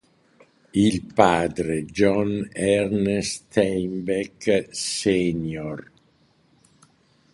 Il padre, John Ernst Steinbeck Sr.